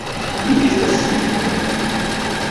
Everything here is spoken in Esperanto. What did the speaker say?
Mi estas sekura.